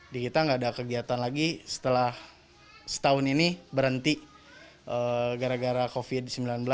di kita nggak ada kegiatan lagi setelah setahun ini berhenti gara gara covid sembilan belas